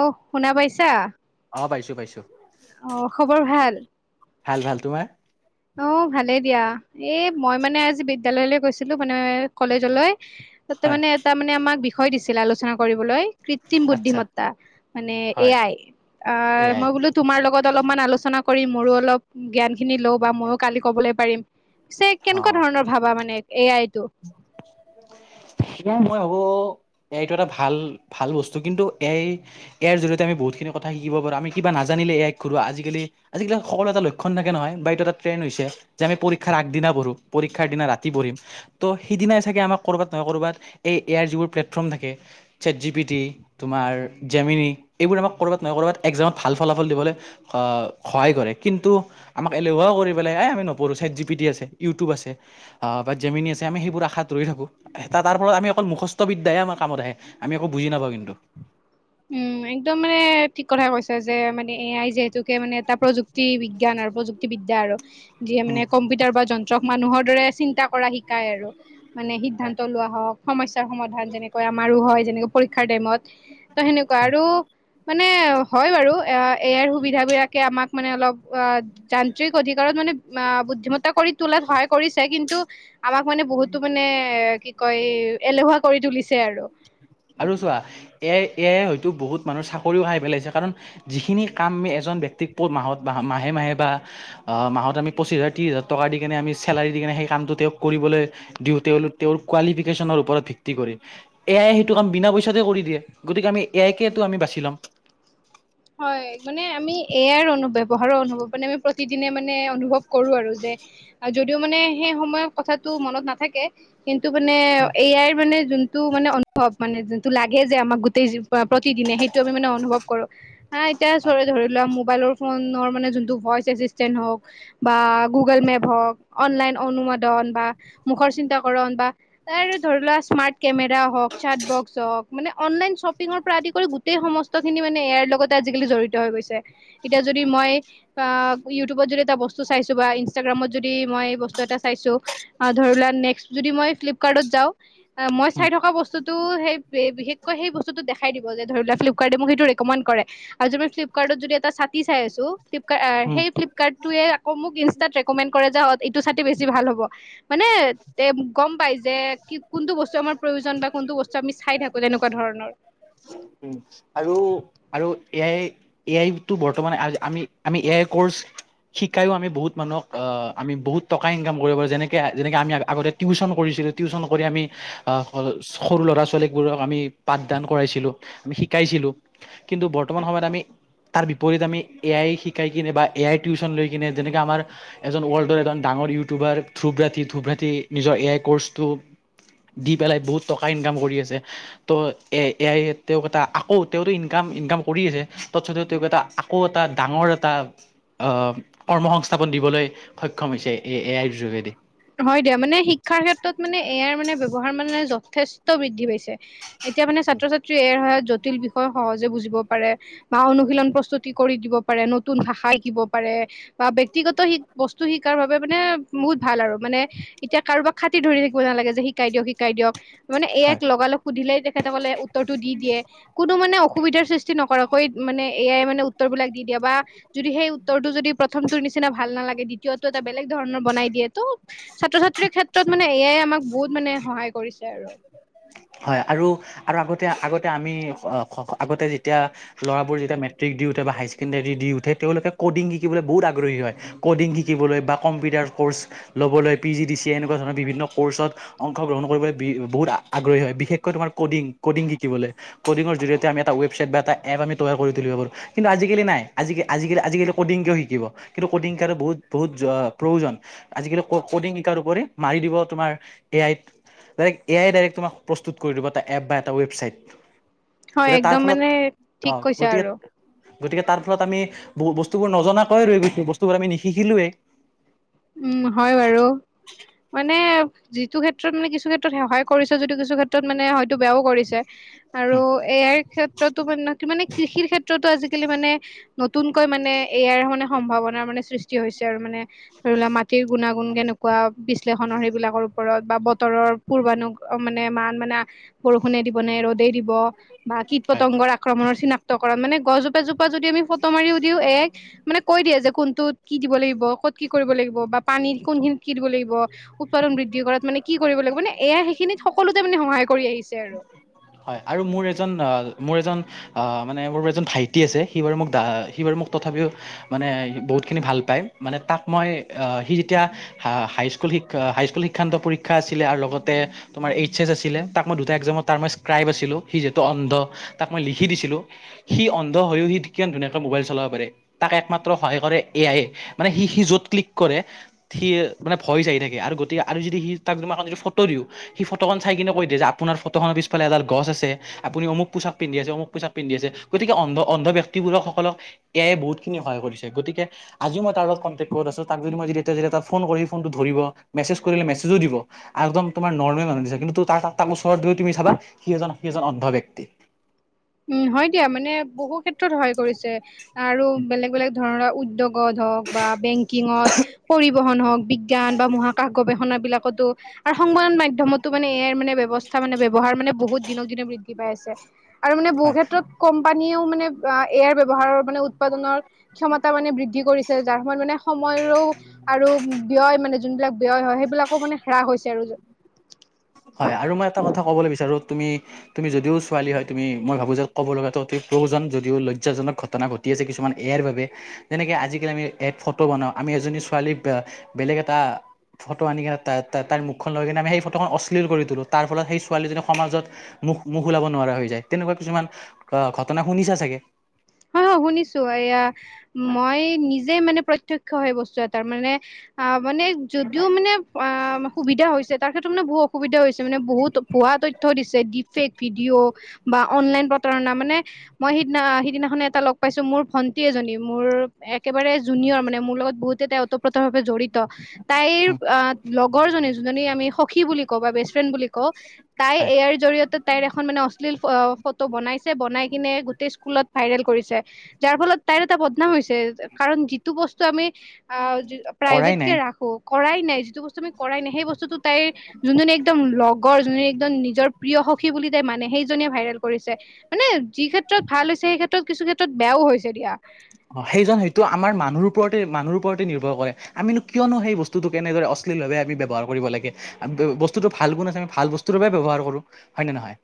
অ' শুনা পাইছা? অ পাইছো পাইছো অ' খবৰ ভাল? ভাল ভাল, তোমাৰ? অ' ভালেই দিয়া এই মই মানে আজি বিদ্যালয়লৈ গৈছিলো মানে কলেজলৈ। তাতে হয় মানে এটা মানে আমাক বিষয় দিছিলে আলোচনা কৰিবলৈ। কৃত্ৰিম আচ্ছা বুদ্ধিমত্তা মানে এ হয় আই। অ' এয়াই মই বোলো তোমাৰ লগত অলপমান আলোচনা কৰি মোৰো অলপ জ্ঞান খিনি লওঁ বা ময়ো কালি ক'বলৈ পাৰিম। পিছে কেনেকুৱা ধৰণৰ ভাবা মানে এ আই? এ মই [inaudible] এয়াইটো এটা ভাল ভাল বস্তু কিন্তু এ ইয়াৰ জৰিয়তে আমি বহুতখিনি কথা শিকিব পাৰো আমি কিবা নাজানোঁ নিলে এ আইক সুধু আজিকালি আজিকালি সকলো এটা লক্ষণ থাকে নহয় বা এইটো এটা ট্ৰেণ্ড হৈছে যে আমি পৰিক্ষাৰ আগদিনা পঢ়ো, পৰীক্ষাৰ দিনা ৰাতি পঢ়িম। ত' সেইদিনাই চাগে আমাক ক'ৰবাত নহয় ক'ৰবাত এই এয়াৰ যিবোৰ প্লেটফৰ্ম থাকে, চছেট জি পি টি তোমাৰ ত ভাল ফলাফল দিব সহায় কৰে। আমাক এলে কৰি পেলাই এ আমি নপঢ়ো চ জি পিটি আছে ইউটিউব আছে বা জেমিন আছে। তেতিয়া আমি সেইবোৰ আশাত ৰৈ থাকো, তাৰ পৰাল আমি অকল মুখস্থ বিদ্যাই আমাৰ কামত আহ আমি আ একো বুজি নাপাওঁ কিন্তু। উম একদম মানে ঠিক কথাাই কৈছে যে মানে এয় যিহেতুকে মানে এটা প্ৰযুক্তি ুক্ত বিজ্ঞান আৰু প্ৰযুক্তিবিদ্া আৰু যিয়ে মানে কম্পিউটাৰ বা যন্ত্ৰক মানুহৰ দৰে চিন্ত কৰা শিক্ষা। তাই আৰু মানে, সিদ্ধান্ত লোৱা হওক। সমস্্যাৰ সমাধান যেনেকৈ আমাৰো হয় যেনেকে পৰীক্ষাৰ টাইমত, ত সেনেকুৱা আৰু মানে হয় বাৰু এয়াৰ সুবিধাবিলাকে আমাক মানে অলপ অ' যান্ত্ৰিক অধিকাৰত মানে অ' বুদ্ধিমত্তা কৰি তোলাত সহায় কৰিছে কিন্তু, আমাক মানে বহুতো মানে এ কি কয় এলেহুৱা কৰি তুলিছে। [inaudible] আৰু চোৱা এ এয় হয়তো বহুত মানুহ চাকৰিও খাই পেলাইছে কাৰণ যিখিনি কামি এজন ব্যক্তিৰ মাহত মাহে মাহে বা মাহত আমি পঁচিছ হাজাৰ ত্ৰিছ হাজাৰ টকা দি কেনে আমি চেলাৰি দি কেনে সেই কামটো তেওঁক কৰিবলৈ দিওঁ তেওঁলোক তেওঁৰ কোৱালিফিকেশ্যনৰ ওপৰত ভিত্তি কৰি। এ আয়ে সেইটো কাম বিনা পইচাতে কৰি দিয়ে, গতিকে আমি এ আই কেেটো আমি বাচি ল'ম। হয় মানে আমি এয়াৰ অনুভৱহাৰৰ অনুভৱ মানে আমি প্ৰতিদিনে মানে অনুভৱ কৰো আৰু যে যদিও মানে সেই সময় কথাটো মনত নাথাকে। কিন্তু মানে এয়াই মানে যোনটো মানে অনুভৱ মানে যোনটো লাগে যে আমাক তেজ হয় প্ৰতিদিনে সেইটো আমি মানে অনুভৱ কৰো। হা এতিয়া হয় চৰে ধৰি লোৱা মোবাইলৰ ফোনৰ মানে যোনটো ভইচ আছে। তেটন হক, বা গোগল মেপ হক, অনলাইন অনোমাদন বা, মোখৰ চিন্তাকৰন বা ত ধৰি লোৱা স্মাৰ্ট কেমেৰা হওক চট বক্স হওক মানে অনলাইন শ্বপিঙৰ পৰা আদি কৰি গোটেই সমস্তখিনি মানে এ য়াৰ লগত জডিত হৈ গৈছে এতিয়া যদি মই আ ইউটিউবত যদি এটা বস্তু চাইছো বা ইনাগ্ৰামত যদি মই বত এটা চাইছো, আ ধৰি লোৱা নে যদি মই ফ্লিপকাৰটত যাওঁ, মই উম চাই থকা বস্তুতটো বিশেষকৈ স খাই দিব যে ধৰি ল ফ্লপকাৰ্ট মোকেইটো ৰেকমেণ্ড কৰে আৰু যদি ফ্লিপকাৰ্টত যদি এটা চাতি চাই আছো। ফলপ উম সেই ফ্লিপকাৰ্টোৱে আক মোক ইনষ্টাত ৰেকমেণ্ড কৰে যে আ এইটোতে বেছি ভাল হ'ব। মানে তে গম পাইছে। যে কি কোনটো বস্তু আমাৰ প্ৰয়োজন বা কোনটো বস্তু আমি চাই থাকো তেনেকুৱা ধৰণৰ। উ আৰু আৰু এ আই এ আই টো বৰ্তমান আমি আমি এ আই কৰ্চ। শিকাইও আমি বহুত মানুহক অ' আমি বহু টকা ইকাম কৰিব পাৰো যেনেকে যেনেকে আমি আগতে টিউশচন কৰিছো। টিউচন কৰি আমি সৰু ল'ৰা ছোৱালীবোৰক আমি পাঠদান কৰাইছিলো। আমি শিকাইছিলো, কিন্তু বৰ্তমান সময়ত আমি তাৰ বিপৰীত আমি এ আই শিকাই কিনে বা এ আই টিউচন লৈ কিনে যেনেকে আমাৰ এজন ৱৰ্ল্ডৰ এজন ডাঙৰ ইউটিউবাৰ ধ্ৰুবতি ধ্ৰুব্ৰতি নিজৰ এ আই কৰ্চটো দি পেলাই বহুত টকা ইনকাম কৰি আছে, ত' এ এাই তেওঁক এটা আকৌ তেওঁতো ইনকাম ইনকাম কৰি আছে তসতও তেওঁক এটা আকৌ এটা ডাঙৰ এটা আহ কৰ্মসংস্থাপন দিবলৈ সক্ষম হৈছে এ এ আইৰ যোগেদি। হয় দিয়া মানে শিক্ষাৰ ক্ষেত্ৰত মানে ইয়াৰ মানে ব্য্ৱহাৰ মানে যথেষ্ট বৃদ্ধি পাইছে। এতিয়া মানে ছাত্ৰ ছাত্ৰী এ হয়। জটিল বিষয় সহজে বুজিব পাৰে বা অনুশীলন প্ৰস্তুতি কৰি দিব পাৰে নতুন ভাষা শিকিব পাৰে। বা ব্য়ক্তিগত শ বস্তু শিকাৰ বাবে মানে বহুত ভাল আৰু। মানে এতিয়া কাৰোবাক খতি ধৰি থাকিব নালাগে যে শিকাই দিয়ক-শিকাই দিয়ক। মানে এ হয় আইক লগালগ সুধিলেই তেখেতসকলে উত্তৰটো দি দিয়ে। কোনো মানে অসুবিধাৰ সৃষ্টি নকৰাক কৈ মানে এ আই মানে উত্তৰ বিলাক দি দিয়ে, বা যদি সেই উত্তৰটো যদি প্ৰথমটোৰ নিচিনা ভাল নালাগে দ্বিতীয় উত্তৰটো এটা বেলেগ ধৰণৰ বনাই দিয়ে ত' ছাত্ৰ-ছাত্ৰীৰ ক্ষেত্ৰত মানে এ আই আমাক বহুত মানে সহায় কৰিছে আৰু। হয়। আৰু আৰু আগতে আ-আগতে আমি অ' খ-খ- আগতে যেতিয়া ল'ৰাবোৰ যেতিয়া মেট্ মেট্ৰিক দিওঁতে বা হাই ছেকেণ্ডাৰী দি উঠে, তেওঁলোকে কডিং শিকিবলৈ বহুত আগ্ৰহী হয়। কডিং শিকিবলৈ বা কম্পিউটাৰ আৰ কৰ্চ ল'বলৈ পি জি ডি চি এনেকুৱা ধৰণৰ বিভিন্ন কৰ্চত অংশগ্ৰহণ কৰিবলৈ বি-বহুত আ-আগ্ৰহী হয়। বিশেষকৈ তোমাৰ কডিং, কডিং শিকিবলে। কডিঙৰ জৰিয়তে আমি এটা ৱেছাইট বা এটা এপ আমি তৈয়াৰ কৰি তুলিব পাৰো কিন্তু আজিকালি নাই আজিকি আজিকালি আজিকালি ক'ডিংকিয়ও শিকিব কিন্তু ক'িং কাৰটো বহুত বহুত প্ৰয়োজন। আজিকালি ক কডিংিকাৰ উপৰি মাৰি দিব তোমাৰ, এ, আইত ডাইৰেক্ট এ আই ডাইৰেক্ট তোমাক প্ৰস্তুত কৰি দিব এটা এপ বা এটা ৱেবছাইট। হয় গতিকে তাৰ একদম ফলত, মানে ঠিক আহ কৈছা গতিকে আৰু গতিকে তাৰ ফলত আমি ব বস্তুবোৰ নজনাকৈ ৰৈ গৈছো বস্তুবোৰ আমি নিশিখিলোয়েই। উম হয় বাৰু, মানে যিটো ক্ষেত্ৰত মানে কিছু ক্ষেত্ৰত সেহায় কৰিছে, যদিটো কিছু ক্ষেত্ৰত মানে হয়তো বেয়াও কৰিছে। আৰু ইয়াৰ ক্ষেত্ৰতো মানে মানে কৃষিৰ ক্ষেত্ৰতো আজিকালি মানে- নতুনকৈ মানে এয়াৰ মানে সম্ভাৱনাাৰ মানে সৃষ্টি হৈছে আৰু মানে। ধৰি লোৱা মাটিৰ গুণাগুণ কেনেকুৱা বিশ্লেষণৰ সেইবিলাকৰ ওপৰত, বা বতৰৰ পূৰ্বানুক মানে মান, মানে বৰষুণে দিব নে ৰ'দেই দিব বা হয় কীট-পতংগৰ আক্ৰমণৰ চিনাক্ত কৰা, মানে গছ জো যদি আমি ফটোও মাৰিও দিও এ আইক মানে কৈ দিয়ে যে কোনটোত কি দিব লাগিব, ক'ত কি কৰিব লাগিব, বা পানী কোন খিনিত কি দিব লাগিব, উৎপাদন বৃদ্ধি কৰাত মানে কি কৰিব লাগিব? মানে এ আই সেইখিনিত সকলোতে মানে সহায় কৰি আহিছে আৰু। হয়। আৰু মোৰ এজন আ- মোৰ এজন আ- মানে মোৰ এজন ভাইটি আছে, সি বাৰু মোক দা- সি বাৰু মোক তথাপিও মানে সি বহুতখিনি ভাল পাই। মানে তাক মই আ সি যেতিয়া হা-হাইস্ক স্কুল শিক্ষা-হাইস্কুল শিক্ষান্ত পৰীক্ষা আছিলে, আৰু লগতে তোমাৰ এইচ এছ আছিলে। তাক মই দুটা এক্সামত তাৰ মই ক্ৰাইব আছিলঁ। সি যিহেটো অন্ধ, তাক মই লিখি দিছিলো। সি অন্ধ হৈও সি কিয় ধুনীয়াকৈ মোবাইল চলা পাৰে। তাক একমাত্ৰ সহায় কৰে এ আইয়ে। মানে সি-সি য'ত ক্লিক কৰে, সি মানে ভয়ত চ আহি থাকে। আৰু গতি, আৰু যদি সি তাক কোনোবাখন যদি ফটো দিওঁ সি ফটোখন চাই কিনে কৈ দিয় যে আপোনাৰ ফটোখনৰ পিছ ফালে এডাল গছ আছে, আপুনি অমুক পোছাক পিন্ধি আছে, অমুক পোছাক পিন্ধি আছে। গতিকে অন্ধ-অন্ধ ব্যক্তিবোৰক-সকলক এ আইয়ে বহুত খিন সহায় কৰিছে। গতিকে আজিও মই তাৰ লগত কন্টেক ক'ত আছ তাক যদি মই [unintelligible] এটা ফোন কৰি ফোনটো ধৰিব। মেছেজ কৰিলে মেছেজো দিব আৰু একদম তোমাৰ নৰ্মেল মানুহ নিচিনা। কিন্তু তাৰ-তাক ওচৰত গৈ তুমি চাবা সি এজন, সি এজন অন্ধ ব্যক্তি। তোত সহায় কৰিছে আৰু বেলেগ-বেলেগ ধৰণৰ উদ্যোগ গত হওক বা বেংকিঙত, পৰিবহন হওক, বিজ্ঞান বা মহাকাশ গৱেষণা বিলাক কতো আৰু সংবাদ মাধ্যমতো মানে এ আইৰ মানে ব্যৱস্থা মানে ব্যৱহাৰ মানে বহুত দিনক দিনে বৃদ্ধি পাই আছে। আৰু মানে বহু হয় ক্ষেত্ৰত কোম্পানীয়ে তো মানে এ আইৰ ব্যৱহাৰৰ মানে উৎপাদনৰ ক্ষমতা মানে বৃদ্ধি কৰিছে। যাৰ ফলত মানে সময়ৰ তো আৰু ব্যয় মানে যোনবিলাক ব্যয় হয়, সেইবিলাকো মানে হ্ৰাস হৈছে আৰু। হয় আৰু মই এটা কথা ক'বলৈ বিচাৰোঁ তুমি, তুমি যদিও ছোৱালী হয় তুমি মই ভাবো যে ক'ব লগাটো অতি প্ৰয়োজন যদিও লজ্জাজক ঘটনা ঘটি ছে কিছুমান এয়াৰ বাবে। যেনেকে আজিকালি আমি এ ফটো বনাওঁ। আমি এজনী ছোৱালী আ বেলেগ এটা ফটো আনি কেনে তাই-তাইৰ মুখখন লৈ কিনে আমি সেই ফটোখন অশ্লী অশ্লীল কৰি তুলো। তাৰ ফলত সেই ছোৱালীজনী সমাজত মুখ-মুখ ওলাব নোৱাৰা হৈ যায়। তেনেকুৱা কিছুমান ঘটনা না শুনিছা চাগে? হয়, হয়, শুনিছো। এয়া মই নিজ যে মানে প্ৰত্যক্ষ হয় বস্তু এটাৰ, মানে মানে যদিও মানে আ সুবিধা হৈছে তাৰ ক্ষেত্ৰত মানে বহুত অসুবিধা হৈছে, মানে বহুত ভুৱা তথ্য দিছে। ডিফেক ভিডিঅ' বা অনলাইন প্ৰতাৰণা মানে মই সিদিনা সিদিনা মানে এটা লগ পাইছো মোৰ ভন্টি এজনী, মোৰ একেবাৰে জুনিয়ৰ মানে মোৰ লগত বহুতেই তেওঁ ওতঃপ্ৰোতভাবে জড়ি ত তাইৰ উম, আ লগৰ জনী, যোনজনী আমি সখী বুলি কওঁ বা বেছফ্ৰেড বুলি কওঁ, তাই হয় ইয়াৰ জৰিয়তে তাইৰ এখন মানে অশ্লীল ফটো বনাইছে বনাই কিনে গোটেই স্কুলত ভাইৰেল কৰিছে, যাৰ ফলত তাইৰ এটা বদনাম হৈছে। কাৰণ যিটো বস্তু, আমি প্ৰ কৰাই প্ৰাইভেত কে নাই ৰাখো কৰাই নাই যিটো বস্তু আমি কৰাই নাই সেই বস্তুতটো তাইৰ যোনজনী একদম লগৰ যোনজনী একদম নিজৰ প্ৰিয় সখী বুলি দে মানে সেইজনীয়ে ভাইৰেল কৰিছে মানে যি ক্ষেত্ৰত ভাল হৈছে সেই ক্ষেত্ৰত কিছু ক্ষেত্ৰত বেয়াও হৈছে দিয়া। [inaudible] অ' সেইজন হয়তো আমাৰ মানুহ ওপৰতে মানুহ ওৰতে নিৰ্ভৰ কৰে আমিনো কিয়নো সেই বস্তুতোক কেনেদৰে অশ্লিলভাৱে ব্যৱহাৰ কৰিব লাগে বস্তুতটো ভালগুণ আছে আমি ভাল বস্তুৰ বাবে ব্যৱহাৰ কৰো, হয় নে নহয়?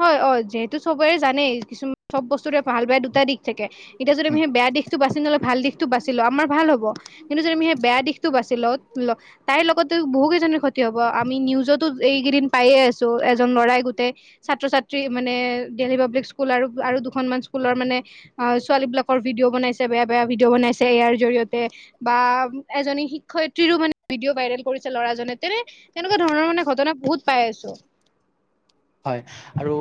হয়। অ', যিহেতু চবেৰে জানেই কিছুমান চব বস্তুৰে ভাল-বেয়া দুটা দিশ থাকে। এতিয়া যদি আমি হেই বেয়া দিশটো বাচি নলৈ ভাল দিশটো বাচি লওঁ আমাৰ ভাল হ'ব। কিন্তু যদি আমি হেই বেয়া দিশটো বাছি লওঁ ল তাইৰ লগতেও বহু কেইজনী ক্ষতি হ'ব। আমি নিউজতো এইকেইদিন পায়ে আছো এজন ল'ৰাই গো কোতে ছাত্ৰ-ছাত্ৰী মানে দিল্লী পাব্লিক স্কুল আৰু, আৰু দুখনমান স্কুলৰ মানে ছোৱালী বিলাকৰ ভিদিঅ' ভিদঅ' বনাইছে, বেয়া-বেয়া ভিদিঅ' বনাইছে এ আই ৰ জৰিয়তে। বা এজনী শিক্ষয়ত্ৰীৰো মানে ভিদিঅ' ভা ভাইৰেল কৰিছে ল'ৰাজনে। তেনে তেনেকুৱা ধৰণৰ মানে ঘটনা বহুত পাই আছোঁ। হয় আৰু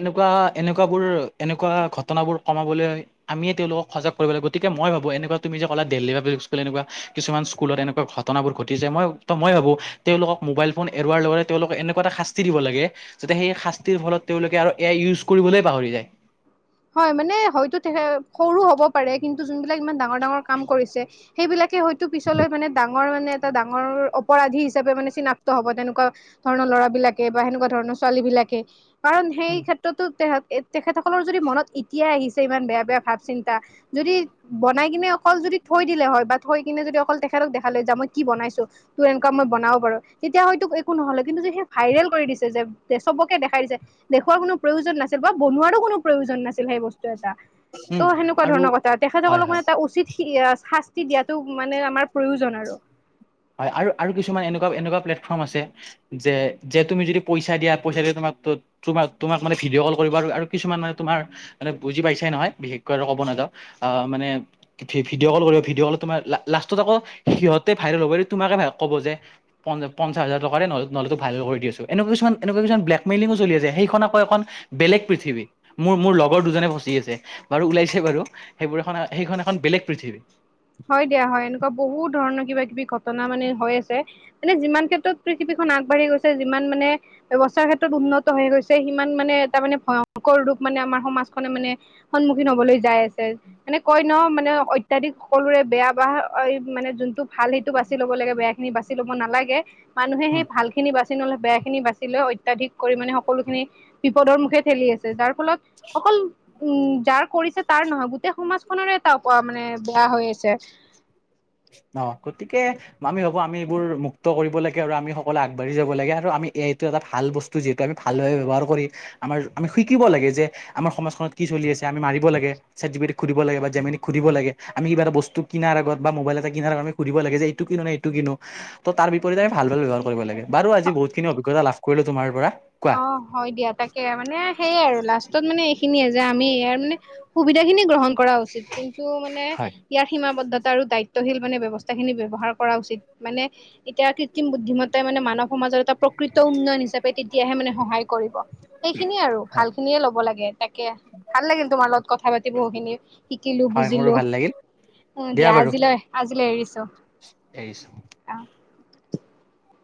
এনেকুৱা এনেকুৱাবোৰ এনেকুৱা ঘটনাবোৰ কমাবলৈ, আমি তেওঁলোকক সজাগ কৰিবলে গতিকে মই ভাবো এনেকুৱা তুমি যে কলা দিল্লী পাব্লিক স্কুল এনেকুৱা কিছুমান স্কুলত এনেকুৱা ঘটনা বোৰ ঘটিছে মই ত মই ভাবো তেওঁলোকক মোবাইল ফোন এৰোৱাৰ লগতে তেওঁলোকক এনেকুৱা এটা শাস্তি দিব লাগে যাতে সেই শাস্তিৰ ফলত তেওঁলোকে আৰু এ আই ইউজ কৰিবলৈ পাহৰি যায়। হয় মানে হয়তো তে সৰু হ'ব পাৰে কিন্তু যোনবিলাক ইমান ডাঙৰ ডাঙৰ কাম কৰিছে সেইবিলাকে পিছলৈ ডাঙৰ মানে ডাঙৰ অপৰাধী হিচাপে মানে চিনাক্ত হব তেনেকুৱা ধৰণৰ ল'ৰা বিলাকে বা সেনেকুৱা ধৰণৰ ছোৱালী বিলাকে কাৰণ সেই ক্ষেত্ৰতো তে তেখেতসকলৰ যদি মনত এতিয়াই আহিছে ইমান বেয়া বেয়া ভাৱ চিন্তা যদি বনাই কিনে অকল যদি থৈ দিলে হয় বা থৈ কিনে যদি অকল তেখেতক দেখালে হয় মই কি বনাইছো তোৰ এনেকুৱা মই বনাও বাৰু তেতিয়া হয়তো একো নহলে কিন্তু যে সেই ভাইৰেল কৰি দিছে যে চবকে দেখাই দিছে দেখুুৱাৰ কোনো প্ৰয়োজন নাছিল বা বনোৱা কোনো প্ৰয়োজন নাছিল। সেই বস্তু এটা, ত উম সেনেকুৱা আৰু ধৰণৰ কথা হয় তেখেতসকলক হয় মানে এটা উচিত শাস্তি দিয়াতো মানে আমাৰ প্ৰয়োজন আৰু। হয় আৰু কিছুমান এনেকুৱা এনেকুৱা প্লেটফৰ্ম আছে যে যে তুমি যদি পইচা দিয়া পইচা দি তোমাৰ ত তোমাক মানে ভিডিঅ' কল কৰিব আৰু কিছুমান মানে তোমাৰ মানে বুজি পাইছাই নহয় বিশেষকৈ আৰু ক'ব ন মানে ভিডিঅ' কল কৰিব ভিডিঅ' কল তাৰ লাষ্টত আকৌ সিহতে ভাইৰেল হ'ব তোমাকে ভ ক'ব যে পঞ্চ পঞ্চাচ হাজাৰ টকা দে তোমাক ভাইৰেল কৰি দি আছো এনেকুৱা কিছুমান এনেকুৱা কিছুমান ব্লেকেইলি চলি আছে সেইখন আকৌ এখন বেলেগ পৃথিৱী মোৰ মোৰ লগৰ দুজনে ফচি আছে বাৰু ওলাইছে বাৰু। সেইবোৰ এখন সেইখন এখন বেলেগ পৃথিৱী। হয় দিয়া হয় এনেকুৱা বহুত ধৰণৰ কিবা কিবি ঘটনা মানে হৈ আছে। এনে যিমান ক্ষেত্ৰত পৃথিৱীখন আগবাঢ়ি গৈছে যিমান মানে ব্যৱস্থাৰ ক্ষেত্ৰত উন্নত হৈ গৈছে সিমান মানে এটা মানে ভয়ংকৰ ৰূপ মানে আমাৰ সমাজখনে মানে সন্মুখীন হ'বলৈ যাই আছে মানে কয় ন অত্যাধিক সকলোৰে বেয়া বা মানে যোনটো ভাল সেইটো বাছি ল'ব লাগে বেয়া খিনি বাছি ল'ব নালাগে। মানুহে সেই ভাল খিনি বাচ বেয়া খিনি বাচি লৈ অত্যাধিক পৰিমানে সকলোখিনি বিপদৰ মুখে ঠেলি আছে যাৰ ফলত অকল উম যাৰ কৰিছে তাৰ নহয় গোটেই সমাজ খনৰে এটা মানে বেয়া হৈ আছে। অ' গতিকে আমি ভাবো আমি এইবোৰ মুক্ত কৰিব লাগে আৰু আমি সকলোৱে আগবাঢ়ি যাব লাগে আৰু আমি এ আই টো ভাল বস্তু যিহেতু আমি ভাল ভাৱে ব্যৱহাৰ কৰি আমাৰ আমি শিকিব লাগে যে আমাৰ সমাজখনত কি চলি আমি মিব লাগে চেট জিবিটিক লাগে বা জেমিনিক সুধিব লাগে আমি কিবা এটা বস্তু কিনাৰ আগত বা মোবাইল এটা কিনাৰ কাৰণে সুধিব লাগে এইটো কিনো নে এইটো কিনো ত তাৰ বিপৰতে ভাল ভাল ব্যৱহাৰ কৰিব লাগে বাৰু আজি বহুতখানি অজ্ঞতা লাভ কৰিলোঁ তোমাৰ পৰা। কোৱা অ' হয় দিয়া তাকে মানে সেইয়ে আৰু লাষ্টত মানে এইখিনি যে আমি ইয়াৰ মানে সুবিধাখিনি গ্ৰহণ কৰা উচিত কিন্তু মানে হয় ইয়াৰ সীমাবদ্ধতা আৰু দায়িত্বশীল মানে ব্যৱস্থা খিনি ব্যৱহাৰ কৰা উচিত মানে এতিয়া কৃত্ৰিম বুদ্ধিমতাই মান মানৱ সম জৰিয়তে প্ৰকৃত উন্নয়ন হিচাপে তেতিয়াহে মানে সহায় কৰিব, সেইখিনিয়ে আৰু হয় ভাল খিনিয়ে লব লাগে তাকে ভাল লাগিল তোমাৰ লগত কথা পাতি বহু খিনি শিকিলো হয় মোৰো বুজিলো ভাল লাগিল উ, দিয়া আজিলৈ আজিলৈ এৰিছো। দিছো অ